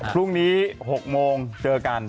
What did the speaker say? พรุ่งนี้๖โมงเจอกัน